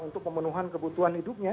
untuk pemenuhan kebutuhan hidupnya